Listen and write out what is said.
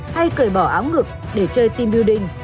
hay cởi bỏ áo ngực để chơi team building